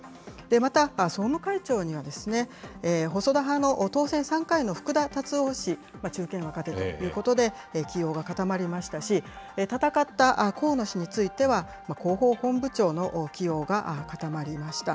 また、総務会長には、細田派の当選３回の福田達夫氏が中堅・若手ということで、起用が固まりましたし、戦った河野氏については、広報本部長の起用が固まりました。